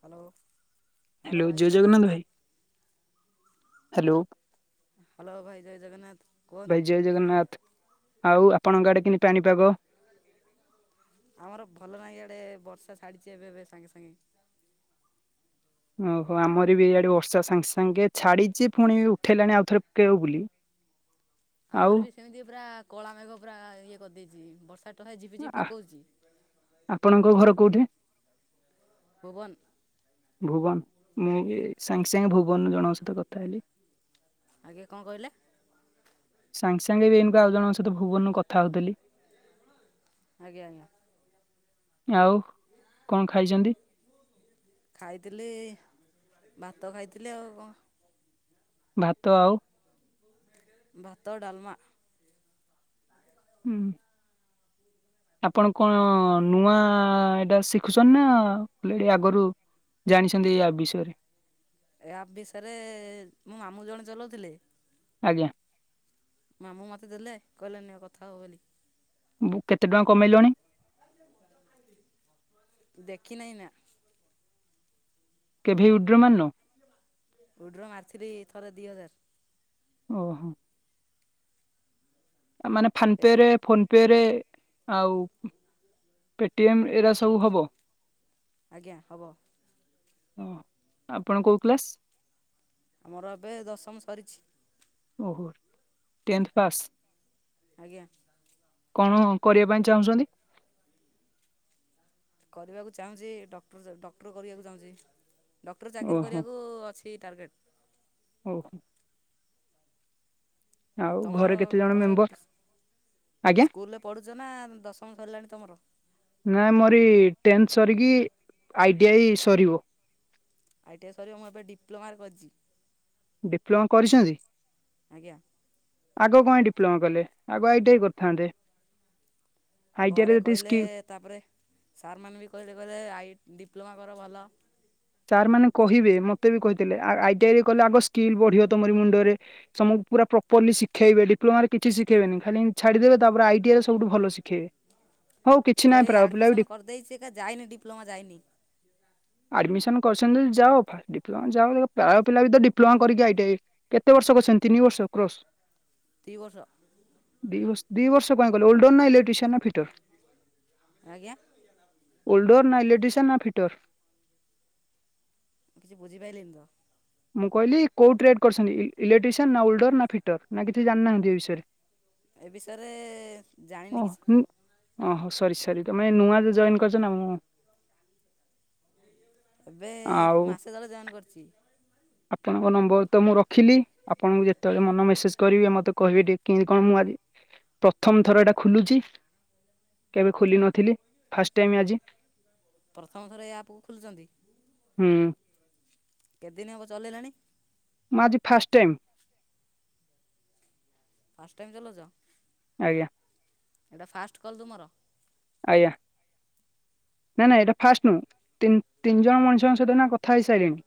Hello hello ଭାଇ ଜୟ Jagannath. Hello hello ଭାଇ ଜୟ ଜଗନ୍ନାଥ ଭାଇ କୁହନ୍ତୁ। ଜୟ ଜଗନ୍ନାଥ ଆଉ ଆପଣଙ୍କ ଆଡେ କେମିତି ପାଣିପାଗ। ଆମର ଭଲ ନାହିଁ ଇଆଡେ ବର୍ଷା ଛାଡିଛି ଏବେ ଏବେ ସାଙ୍ଗେ ସାଙ୍ଗେ। ଓହୋ ଆମର ବି ଏଇଆଡ଼େ ବର୍ଷା ସାଙ୍ଗେ ସାଙ୍ଗେ ଛାଡ଼ିଚି ପୁଣି ଉଠେଇଲାଣି ଆଉଥରେ ପକେଇବ ବୋଲି। ଆଉ ଆମର ବି ସେମିତି ପୁରା କଳା ମେଘ ପୁରା ଇଏ କରିଦେଇଛି ବର୍ଷା ତୋହା ଝିପିଝିପି ଆ ପକୋଉଛି। ଆପଣଙ୍କ ଘର କୋଉଠି? ଭୁବନ୍। ଭୁବନ ମୁଁ ଏଇ ସାଙ୍ଗେ ସାଙ୍ଗେ ଭୁବନରେ ଜଣଙ୍କ ସହିତ କଥା ହେଲି। ଆଜ୍ଞା କଣ କହିଲେ? ସାଙ୍ଗେ ସାଙ୍ଗେ ବି ଏଇନିକା ଆଉ ଜଣଙ୍କ ସହିତ ଭୁବନରୁ କଥା ହଉଥିଲି। ଆଜ୍ଞା ଆଜ୍ଞା ଆଉ କଣ ଖାଇଚନ୍ତି? ଖାଇଥିଲି ଭାତ ଖାଇଥିଲି ଆଉ କଣ? ଭାତ ଆଉ ଭାତ ଡାଲମା। [inaudible] ଆପଣ କଣ ନୂଆ ଏଇଟା ଶି ଶିଖୁଛନ୍ତି ନା ଏଇ ଆଗରୁ ଜାଣିଛନ୍ତି ୟା ବିଷୟରେ। ଏ ଆପ ବିଷୟରେ ମୋ ମାମୁଁ ଜଣେ ଚଲଉଥିଲେ। ଆଜ୍ଞା। ମାମୁଁ ମୋତେ ଦେଲେ କହିଲେ ନିଅ କଥା ହବ ବୋଲି। କେତେ ଟଙ୍କା କମେଇଲଣି। ଦେଖିନାହିଁ ନା। କେଭେ ଉଇ ଡ୍ର ମାରିନୁ। ଉଇଡ୍ର ମାରିଥିଲି ଥରେ ଦି ହଜାର। ଓହ। ମାନେ ଫାନ ପେ ରେ ଫୋନ ପ ପେରେ ଆଉ ପେଟିଏମ୍ ଏରା ସବୁ ହବ। ଆଜ୍ଞା ହବ। ହଁ ଆପଣ କୋଉ କ୍ଲାସ୍? ମୋର ଏବେ ଦଶମ ସରିଛି। Tenth pass. ଆଜ୍ଞା। କଣ କରିବା ପାଇଁ ଚାହୁଁଛନ୍ତି? କରିବାକୁ ଚାହୁଁଛି ଡକ୍ଟର ଡକ୍ଟର କରିବାକୁ ଚାହୁଁଛି ଡକ୍ଟର ଚାକିରୀ ଓହୋ କରିବାକୁ ଅଛି। ଏଇ ଟାର୍ଗେଟ। ଓ ହୋଊ। ଆଉ ତମର ଘରେ କେତେ ଜଣ ତମେ ମେମ୍ବର ଆଜ୍ଞା ସ୍କୁଲରେ ପଢୁଛ ନା ଦଶମ ସରିଲାଣି ତମର। ନାଇ ମୋରି ଟେନ୍ଥ ସରିକି ଆଇ ଟି ଆଇ ସରିବ। ଆଇଟିଆ ସରିବ ମୁଁ ଏବେ ଡିପ୍ଲୋମାରେ କରିଛି। ଡିପ୍ଲୋମା କରିଛନ୍ତି। ଆଜ୍ଞା ଆଗ କଣପାଇଁ ଡିପ୍ଲୋମା କଲେ ଆଗ ଆଇ ଟି ଆଇ କରିଥାନ୍ତେ। ଆଉ ଆଇ ଟି ଆଇ ଘରେ ରେ ଯେତିକି କହିଲେ ସ୍କି ତାପରେ ସାରମାନେ ବି କହିଲେ କହିଲେ ଆଇ ଡିପ୍ଲୋମା କର ଭଲ। ସାର୍ ମାନେ କହିବେ ମତେ ବି କହିଥିଲେ ଆଇ ଟି ଆଇରେ କଲେ ଆଗ ସ୍କିଲ୍ ବଢିବ ତମରି ମୁଣ୍ଡରେ। ସମସ୍ତକୁ ପୁରା ପ୍ରପଲି ଶିଖେଇବେ ଡିପ୍ଲୋମାରେ କିଛିିସିଖେଇବେନି ଖାଲି ଛାଡ଼ିଦେବେ ତାପରେ ଆଇ ଟିଆଇରେ ସବୁଠୁ ଭଲ ଶିଖେଇବେ। ହଉ କିଛି ତ ନାହିଁ ଏଇ ପ୍ରାୟ ପିଲା ବି ଆଡମିସନ କରିଦେଇଛି ଏକ ଯାଇନି ଡିପ୍ଲୋମା ଯାଇନି। ଆଡମିସନ। ତମେ କରିଛନ୍ତି ଯଦି ଯାଅ ଫାଷ୍ଟ ଡିପ୍ଲୋମା ଯା ପ୍ରାୟ ପିଲା ବି ତ ଡିପ୍ଲୋମା କରିକି ଆଇ ଟି ଆଇ କେତେ ବର୍ଷ କରିଛନ୍ତି ତିନି ବର୍ଷ କ୍ରୋଶ୍। ଦି ବର୍ଷ। ଦି ବର୍ଷ ଦି ବର୍ଷ କାଇଁ କଲ ଓଲଡ ନା ଇଲେକ୍ଟ୍ରିସିଆନ ନା ଫି ଡର ଆଜ୍ଞା ଓଲଡର ନା ଇଲେକ୍ଟ୍ରିସିଆନ ନା ଫିଟର। ମୁଁ କିଛି ବୁଝିପାରଲିିନି ତ। ମୁଁ କହିଲି କୋଉ ଟ୍ରେଡ୍ କରିଛନ୍ତି ଇଲେକ୍ଟ୍ରିସିଆନ୍ ନା ଓଲଡର ନା ଫିଟର ନା କିଛି ଜାଣିନାହାନ୍ତି ଏ ବିଷୟରେ। ଏ ବିଷୟରେ ଜାଣିନି କିଛି। ଓ ହଁ ସରି ସରି ତମେ ନୂଆ ରୁ ଜଏନ୍ କରିଛ ନା ମୁଁ ଏବେ ଆଉ ମାସେ ତଳେ ଯଏନ କରିଛି। ଆପଣଙ୍କ ନମ୍ବର ତ ମୁଁ ରଖିଲି ଆପଣଙ୍କୁ ଯେତେବେଳେ ମନ ମେସେଜ କରିବେ ମତେ କହିବେ ଟିକେ କେମତି କଣ, ମୁଁ ଆଜି, ପ୍ରଥମ ଥର ଏଇଟା ଖୋଲୁଚି। କେବେ ଖୋଲି ନଥିଲି, ଫାଷ୍ଟ ଟାଇମ ଆଜି। ପ୍ରଥମ ଥର ଏ ଆପକୁ ଖୁଲୁଚନ୍ତି? ହୁଁ। କେଦିନି ହବ ଚଲେଇଲେଣି? ମୁ ଆଜି ଫାଷ୍ଟ ଟାଇମ୍। ଫାଷ୍ଟ ଟାଇମ୍ ଚଲଉଚ? ଆଜ୍ଞା। ଏଟା ଫାଷ୍ଟ କଲ୍ ତୁମର? ଆଜ୍ଞା। ନାଇଁ ନାଇଁ, ଏଟା ଫାଷ୍ଟ ନୁ, ତିନ, ତିନି ଜଣ ମଣିଷଙ୍କ ସହିତ, ଏଇନା କଥା ହେଇସାରିଲିଣି।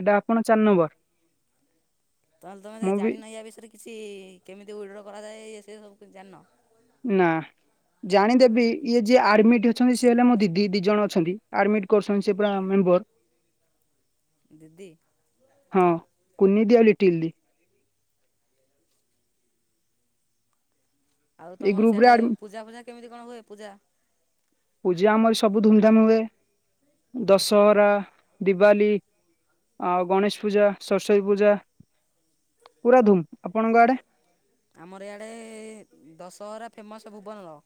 ଏଟା ଆପଣ ଚାରି ନମ୍ବର। ତା ହେଲେ ତମେ ମୁଁ ବି ଜାଣିନ ୟା ବିଷୟରେ କିଛି ଇ, କେମିତି ଉଇଡ୍ର କରାଯାଏ, ଇଏ ସିଏ ସବୁ କି ଜାଣିନ? ନା, ଜାଣିଦେବି, ଇଏ ଯିଏ ଆଡ୍ମିଟ ଅଛନ୍ତି, ସିଏ ହେଲେ ମୋ ଦିଦି, ଦି ଜଣ ଅଛନ୍ତି। ଆଡମିଟ୍ କରୁଛନ୍ତି ସେ ପୁରା ମେମ୍ବର। ଦିଦି। ହଁ, କୁିନି ଦି, ଆଉ ଲିଟିଲି ଦି। ଆଉ ଏଇ ତମର ଗ୍ରୁପ ରେ ସିଆଡେ ଆଡ ପୂଜା ଫୁଜା କେମିତି କଣ ହୁଏ, ପୂଜା? ପୂଜା ଆମର ସବୁ ଧୁମ୍ ଧାମ୍ ହୁଏ, ଦଶହରା, ଦିିବାଲି ଆଉ ଗଣେଶ ପୂଜା, ସରସ୍ଵତୀ ପୂଜା ପୁରା ଧୁମ୍, ଆପଣଙ୍କ ଆଡେ? ଆମର ଇଆଡ଼େ ଦଶହରା ଫେମସ୍, ଭୁବନର।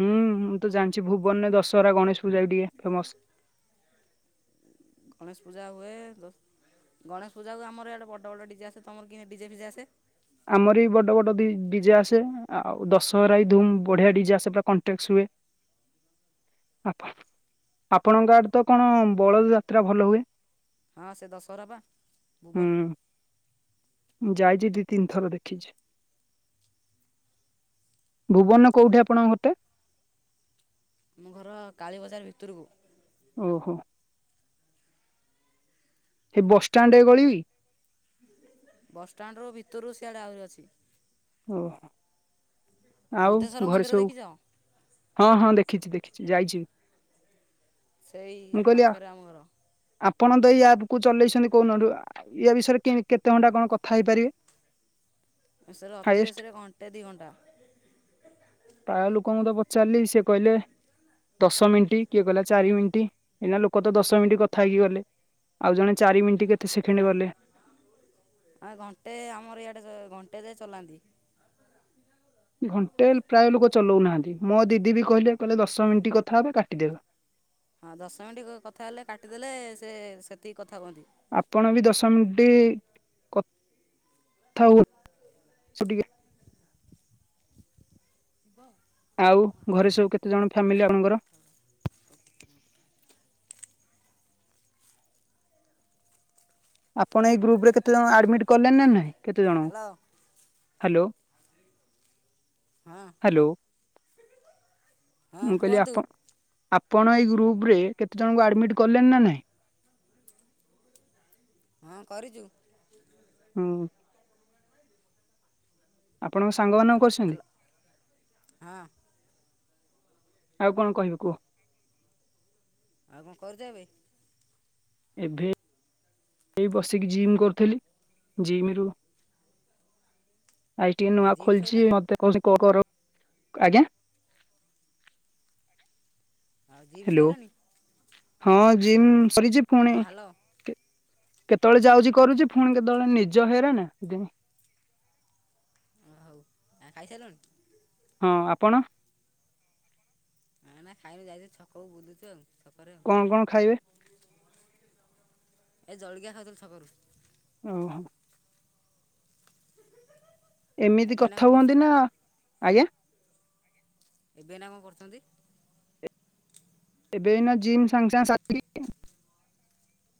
ହୁଁ, ମୁଁ ତ ଜାଣିଛି ଭୁବନରେ ଦଶହରା ଗଣେଶ ପୂଜା ବି ଟିକେ ଫେମସ୍। ଗଣେଶ ପୂଜା ହୁଏ, ଦ ଗଣେଶ ପୂଜାକୁ ଆମର ଇଆଡେ ବଡ଼ ବଡ଼ ଡିଜେ ଆସେ, ତମର କି ଡିଜେ ଫିଜେ ଆସେ? ଆମର ବି ବଡ଼ ବଡ଼ ଦି ଡିଜେ ଆସେ ଆଉ ଦଶହରା ବି ଧୁମ୍ ବଢ଼ିଆ ଡିଜେ ଆସେ ପୁରା କଣ୍ଟେକ୍ସ ହୁଏ। [inaudible] ଆପା, ଆପଣଙ୍କ ଆଡେ ତ କଣ, ବଳଦ ଯାତ୍ରା ଭଲ ହୁଏ? ହଁ ସେ ଦଶହରା ପା, ଭୁବନ। ଯାଇଚି, ଦି ତିନି ଥର ଦେଖିଚି। ଭୁବନରେ କୋଉଠି ଆପଣଙ୍କ ଘରଟା? ମୋ ଘର କାଳୀ ବଜାର ଭିତରକୁ। ଓହୋ। ହେ ବସଷ୍ଟାଣ୍ଡ ଗଳି? ବସ୍ ଷ୍ଟାଣ୍ଡରୁ ଭିତରୁ, ସିଆଡେ ଆହୁରି ଅଛି। ଓହୋ ଆଉ ବୁଧେଶ୍ଵର ଘରେ ମନ୍ଦିର ସବୁ ଦେଖିଛ? ହଁ ହଁ, ଦେଖିଛି ଦେଖିଛି, ଯାଇଚି ବି। ସେଇ ପାଖରେ ଆମ ଘର। ଆପଣ ତ ଏଇ ଆପ୍ କୁ ଚଲେଇଛନ୍ତି କୋଉନଠୁ, ୟା ବିଷୟରେ କେମ୍ କେତେ ଘଣ୍ଟା କଣ କଥା ହେଇପାରିବେ? ସାରେ, ଅତି ହାଇଏଷ୍ଟ? ବେଶୀରେ, ଘଣ୍ଟେ ଦି ଘଣ୍ଟା। ପ୍ରାୟ ଲୋକଙ୍କୁ ତ ପଚାରିଲି, ସିଏ କହିଲେ, ଦଶ ମିଣ୍ଟି, କିଏ କହିଲା ଚାରି ମିଣ୍ଟି। ଏଇନା ଲୋକ ତ ଦଶ ମିଣ୍ଟି କଥା ହେଇକି ଗଲେ ଆଉ ଜଣେ ଚାରି ମିଣ୍ଟି କେତେ ସେକେଣ୍ଡ ଗଲେ। ଆ ଘଣ୍ଟେ, ଆମର ଇଆଡେ ଘଣ୍ଟେ ଯାଏ ଚଲାନ୍ତି। ଘଣ୍ଟେ ପ୍ରାୟ ଲୋକ ଚଲଉନାହାନ୍ତି, ମୋ ଦିଦି ବି କହିଲେ, କହିଲେ ଦଶ ମିଣ୍ଟି କଥା ହେବେ କାଟିଦେବେ। ହଁ ଦଶ ମିଣ୍ଟି କଥା ହେଲେ କାଟିଦେଲେ, ସେ ସେତିକି କଥା ହୁଅନ୍ତି। ଆପଣ ବି ଦଶ ମିଣ୍ଟି କଥା ହୁଅନ୍ତି ଟିକେ। ଥିବ। ଆଉ ଘରେ ସବୁ କେତେ ଜଣ ଫ୍ୟାମିଲି ଆପଣଙ୍କର? ଆପଣ ଏଇ ଗ୍ରୁପରେ କେତେ ଜଣ ଆଡମିଟ୍ କଲେ ନା ନାଇଁ କେତେ ଜଣ? Hello hello. ହଁ ହାଲୋ ହଁ ମୁ କହିଲି କୁହନ୍ତୁ ଆପଣ ଆପଣ ଏଇ ଗ୍ରୁପ୍ ରେ କେତେଜଣଙ୍କୁ ଆଡ଼ମିଟ୍ କଲେଣି ନା ନାହିଁ? ହଁ କରିଚୁ। [inaudible] ହଁ। ଆପଣଙ୍କ ସାଙ୍ଗ ମାନଙ୍କୁ କରିଛନ୍ତି? ହ୍ୟାଲୋ ହଁ ଆଉ କଣ କହିବି କୁହ? ଆଉ କଣ କରୁଛ ଏବେ? ଏବେ ଏ ବସିକି ଜିମ୍ କରୁଥିଲି। ଜିମ ରୁ ଆଜି ଟିକେ ଆଉ ନୂଆ ଜିମ୍ ଖୋଲିଛି ସଇଲାଣି ମତେ କହୁଚି କର ଆଜ୍ଞା। ଆଉ ଯିମ ହ୍ୟାଲୋ ଶଇଲାଣି? ହଁ ଜିମ୍ ସରିଛି ହଁ ପୁଣି ହ୍ୟାଲୋ କେତେବେଳେ ଯାଉଛି କରୁଛି ଫୁଣି କେତେବେଳେ ନିଜ ହେଇରା ନା ସେଥିପାଇଁ। ଓ ହଉ ଆ ଖାଇସାରିଲଣି? ହଁ ଆପଣ? ନାଁ ନା ଖାଇବାକୁ ଯାଇଚି ଛକକୁ ବୁଲୁଚୁ ଆଉ ଛକରେ ଆଉ। କଣ କଣ ଖାଇବେ? ଏ ଜଳଖିଆ ଖାଉଥିଲୁ ଛକରୁ। ଓହୋ। ଏମିତି ଏବେ ଏଇନା କଣ କଥା ହୁଅନ୍ତି କରୁଛନ୍ତି ନା ଆଜ୍ଞା। ଏବେ ଏନା କଣ କରୁଛନ୍ତି? ଏବେ ଏନା ଜିମ୍ ସାଙ୍ଗେ ସାଙ୍ଗେ ସାରିଲି।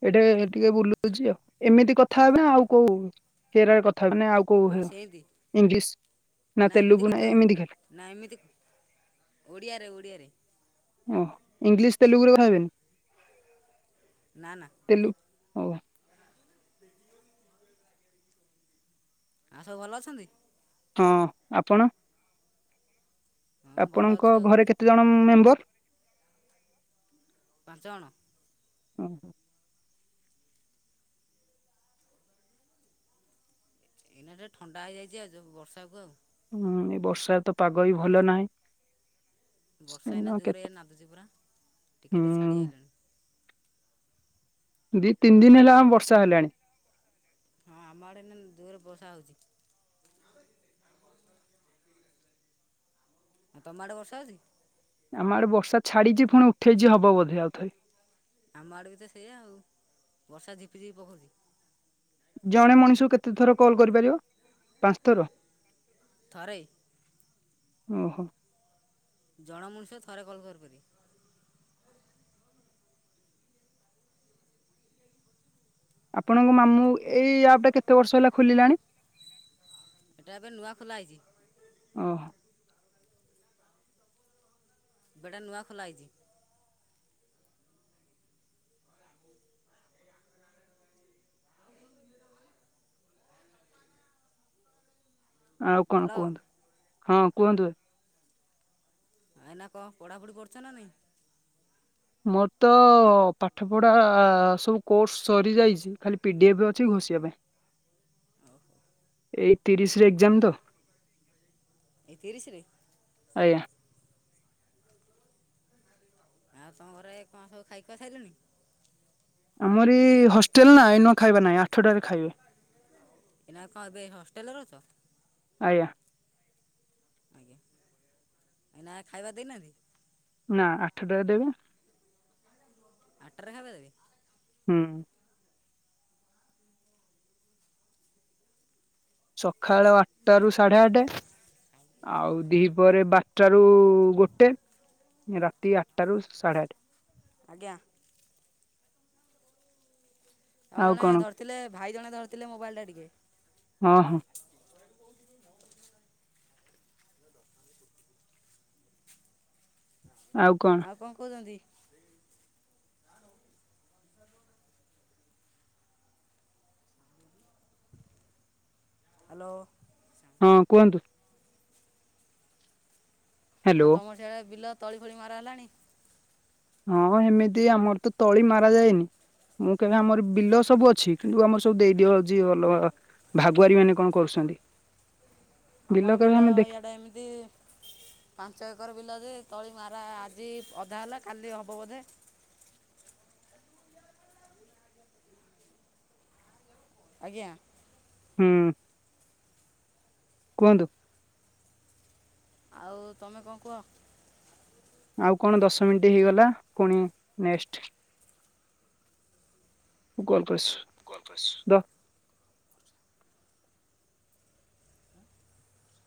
ଏଇଠେ ଟିକେ ବୁଲୁଛି ଆଉ। ଏମିତି କଥା ହେବି ନା ଆଉ କୋଉ? କେର କଥା ମାନେ ଆଉ କୋଉ ହଁ ସେମିତି ଇଂଲିଶ ନା ଏମିତି ତେଲୁଗୁ ନା କଥା ହୁଏ ଏମିତି ଖାଲି? ନା ଏମିତି ଓଡ଼ିଆରେ ଓଡ଼ିଆରେ। ଓଃ ଇଲିଶ ତେଲୁଗୁ ରେ କଥା ହେବିନି? ନା ନା। ତେଲୁ ହୋଉ। ଆଉ ସବୁ ଭଲ ଅଛନ୍ତି? ହଁ ଆପଣ? ହଁ ଭଲ ଆପଣଙ୍କ ଅଛୁ ଆଉ ଘରେ କେତେଜଣ ମେମ୍ବର? ପାଞ୍ଚ ଜଣ। ଓହୋ। ଏଇନା ଟେ ଥଣ୍ଡା ହେଇଯାଇଛି ଆଉ ଯୋଉ ବର୍ଷାକୁ ଆଉ। ହୁଁ ଏ ବର୍ଷା ତ ପାଗ ବି ଭଲ ନାହିଁ। ବର୍ଷା ଏଇନା ଜୋରରିଆ ନାଦୁଛି ପରା ଟିକେ ହୁଁ ଟିକେ ଛାଡ଼ି ଆଇଲାଣି। ଦି ତିନି ଦିନ ହେଲା ଆ ବର୍ଷା ହେଲାଣି। ହଁ ଆମ ଆଡେ ଏନା ଯୋରେ ବର୍ଷା ହଉଛି। ଆ ତମେ ଆଡେ ବର୍ଷା ହୋଉଛି? ଆମ ଆଡେ ବର୍ଷା ଛାଡିଛି ପୁଣି ଉଠେଇଛି ହବ ବୋଧେ ଆଉଥରେ। ଆମ ଆଡ଼େ ବି ତ ସେଇୟା ଆଉ ବର୍ଷା ଝିପିଝିପି ପକଉଛି। ଜଣେ ମଣିଷକୁ କେତେ ଥର କ। ଲ୍ କରିପାରିବ ପାଞ୍ଚ ଥର ଥରେ ଓହୋ। ଜଣ ମଣିଷ ଥରେ କଲ୍ କରି ପାରିବେ। ଆପଣଙ୍କ ମାମୁଁ ଏଇ ଆପ୍ ଟା କେତେ ବର୍ଷ ହେଲା ଖୋଲିଲାଣି? ଏଇଟା ଏବେ ନୂଆ ଖୋଲା ହେଇଛି ଓ ହୋ। ବେଡ଼ା ନୂଆ ଖଲାାଇଛି [unintelligible] ଆଉ କଣ ହ୍ୟାଲୋ କୁହନ୍ତୁ, ହଁ କୁହନ୍ତୁ। ଆାଇଁନା କଣ ପଢାପଢି କରୁଛ ନା ନାଇଁ? ମୋର ତ-ଅ-ଅ-ଅ ପାଠ ପଢା-ଆ-ଆ-ଆ ସବୁ କୋର୍ସ ସରି ଯାଇଛି। ଖାଲି ପି ଡି ଏଫ୍ ଅଛି ଘୋଷିବା ପାଇଁ। ହୁଁ ଏଇ ତିରିଶ ରେ ଏକ୍ଜାମ ତ। ଏଇ ତିରିଶିରେ? ଆଜ୍ଞା। ଆଉ ତମ ଘରେ କଣ ସବୁ ଖାଇ ଖୁଆ ସାରିଲଣି? ଆମରି-ଇ-ଇ-ଇ ହଷ୍ଟେଲ ନା ଏଇନ ଖାଇବା ନାହିଁ ଆଠଟାରେ ଖାଇବା। ଏଇନା କଣ ଏବେ ହଷ୍ଟେଲରେ ଅଛ? ଆଜ୍ଞା। ଏଇଁନା ଖାଇବା ଦେଇନାହାନ୍ତି? ନା ଆଠଟାରେ ବା। ଆଠଟା ରେ ଖାଇବା ଦେବେ? ହୁଁ। ସକାଳ ଆଠଟା ରୁ ସାଢେ ଆଠ। ଆଉ ଦିହି ପରେ ବାରଟାରୁ-ଉ-ଉ-ଉ ଗୋଟେ। ରାତି ଆଠଟାରୁ ସାଢ଼େ ଆଠ। ଆଜ୍ଞା। ଆଉ ଜଣେ ଧରିଥିଲେ ଭାଇ ଜଣେ ଧରିଥିଲେ ମୋବାଇଲ ଟା ଟିକେ ହଁ ହଁ। କାଇ କହୁଥିଲୁ ନହେଲେ ନାହିଁ। ଆଉ କଣ? କଣ କହୁଛନ୍ତି? ଏବଂ [inaudible] ହାଲୋ। [unintelligible] ହ୍ୟାଲୋ। ହଁ କୁହନ୍ତୁ। ଆ ହ୍ୟାଲୋ ତମର ସିଆଡେ ବିଲ ତଳି ଫଳି ମାର ହେଲାଣି? ହଁ ହେମିତି ଆମର ତ ତଳି ମାରା ଯାଏନି। ମୁଁ କହିବି ଆମର ବିଲ ସବୁ ଅଛି କିନ୍ତୁ ଆମର ସବୁ ଦେଇଦିଅଛି ଅଲଗା-ଆ ଭାଗୁଆାରୀ ମାନେ କଣ କରୁଛନ୍ତି। ବିଲ ଆମର କହିବେ ଆମେ ବିଲ-ଅ-ଅ-ଅ ଦେଖ ଇଆଡ଼େ ଏମିତି-ଇ-ଇ ପାଞ୍ଚ ଏକର ବିଲ ଯେ ତଳି ମାରା ଆଜି ଅଧା ହେଲା କାଲି ହବ ବୋଧେ। [inaudible] ଆଜ୍ଞା। ହୁଁ କୁହନ୍ତୁ। ଆଉ ତମେ କଁ କୁହ। ଆଉ କଣ ଦଶ ମିଣ୍ଟି ହେଇଗଲା ପୁଣି ନେସ୍ଟ। [unintelligible] [unintelligible]